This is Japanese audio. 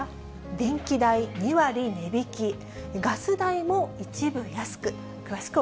電気代２割値引き、ガス代も一部安く。